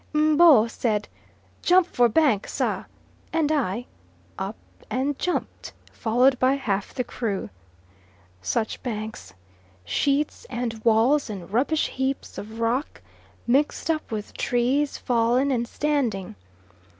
M'bo said "Jump for bank, sar," and I "up and jumped," followed by half the crew. Such banks! sheets, and walls, and rubbish heaps of rock, mixed up with trees fallen and standing.